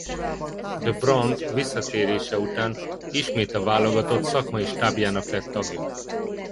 De Brandt visszatérése után ismét a válogatott szakmai stábjának lett tagja.